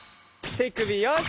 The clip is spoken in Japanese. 手首よし！